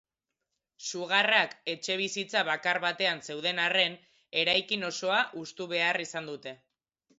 Sugarrak etxebizitza bakar batean zeuden arren, eraikin osoa hustu behar izan dute.